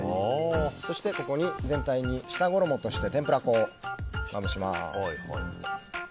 そして、ここに全体に下衣として天ぷら粉をまぶします。